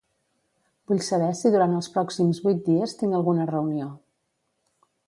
Vull saber si durant els pròxims vuit dies tinc alguna reunió.